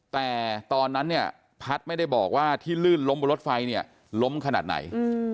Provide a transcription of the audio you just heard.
แต่ตอนนั้นพัดไม่ได้บอกว่าที่ลื่นล้มบนรถไฟล้มขนาดไหน